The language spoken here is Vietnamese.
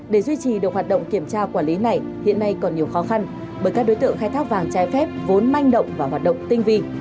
để duy trì được hoạt động kiểm tra quản lý này hiện nay còn nhiều khó khăn bởi các đối tượng khai thác vàng trái phép vốn manh động và hoạt động tinh vi